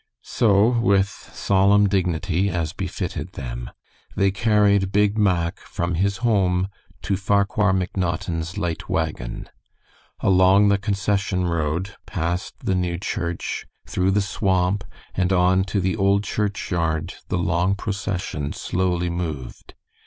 So, with solemn dignity, as befitted them, they carried Big Mack from his home to Farquhar McNaughton's light wagon. Along the concession road, past the new church, through the swamp, and on to the old churchyard the long procession slowly moved.